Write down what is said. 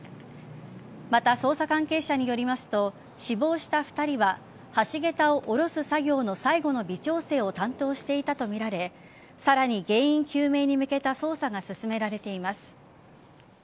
また、捜査関係者によりますと死亡した２人は橋げたを降ろす作業の最後の微調整を担当していたとみられさらに原因究明に向けた捜査が進められています。